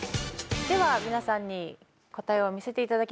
では皆さんに答えを見せていただきましょう。